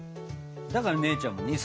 だから姉ちゃんも２歳若返ると。